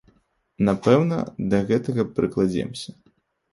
Напэўна, да гэтага прыкладземся.